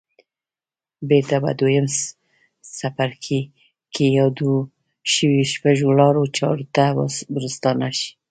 بېرته په دويم څپرکي کې يادو شويو شپږو لارو چارو ته ورستانه شئ.